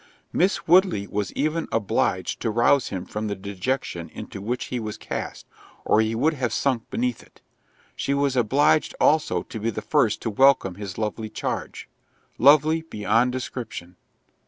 Miss Woodley was even obliged to rouse him from the dejection into which he was cast, or he would have sunk beneath it: she was obliged also to be the first to welcome his lovely charge.—Lovely beyond description.